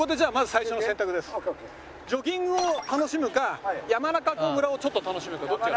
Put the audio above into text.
ジョギングを楽しむか山中湖村をちょっと楽しむかどっちが。